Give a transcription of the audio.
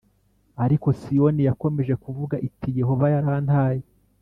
Ariko Siyoni yakomeje kuvuga iti Yehova yarantaye